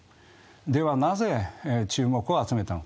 ではなぜ注目を集めたのか。